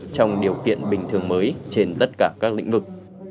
trong điều kiện bình thường mới trên tất cả các lĩnh vực